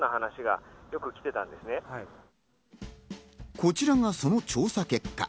こちらがその調査結果。